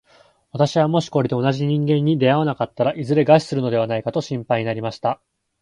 私はもしこれで同じ人間に出会わなかったら、いずれ餓死するのではないかと心配になりました。